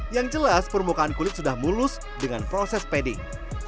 yang jelas permukaan kulit sudah mulus dengan proses padding